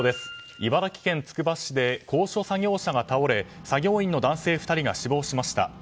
茨城県つくば市で高所作業車が倒れ作業員の男性２人が死亡しました。